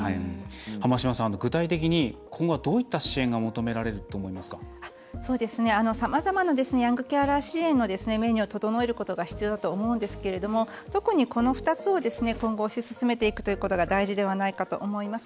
濱島さん、具体的に今後はどういった支援がさまざまなヤングケアラー支援のメニューを整えることが必要だと思うんですけれども特にこの２つを今後推し進めていくということが大事ではないかと思います。